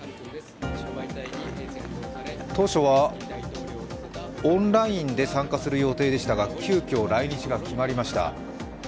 当初は、オンラインで参加する予定でしたが急きょ来日が決まりました。